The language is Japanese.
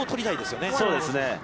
そうですね。